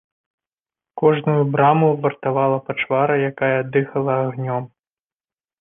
Кожную брама вартавала пачвара, якая дыхала агнём.